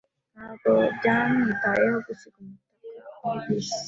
Ntabwo byamwitayeho gusiga umutaka muri bisi.